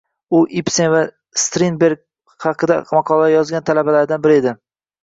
U Ibsen va Strindberg haqida maqolalar yozgan talabalaridan biri edi